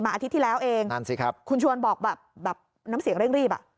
มาอาทิตย์ที่แล้วเองคุณชวนบอกแบบน้ำเสียงเร่งรีบ